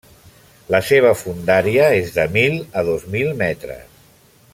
La seva fondària és de mil a dos mil metres.